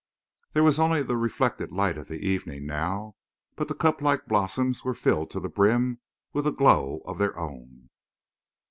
There was only the reflected light of the evening, now, but the cuplike blossoms were filled to the brim with a glow of their own.